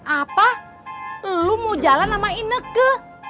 apa lu mau jalan sama ineke